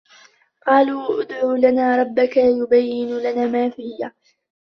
قَالُوا ادْعُ لَنَا رَبَّكَ يُبَيِّنْ لَنَا مَا هِيَ ۚ